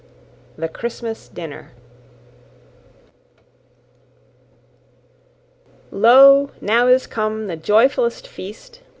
The Christmas Dinner Lo, now is come the joyful'st feast!